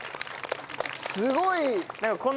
すごい！